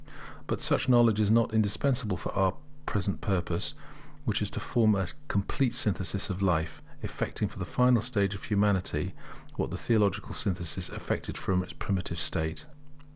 But such knowledge is not indispensable for our present purpose, which is to form a complete synthesis of life, effecting for the final state of humanity what the theological synthesis effected for its primitive state.